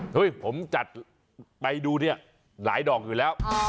เฮ้ยผมจัดไปดูเนี่ยหลายดอกอยู่แล้ว